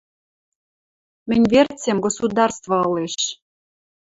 Мӹнь верцем государство ылеш!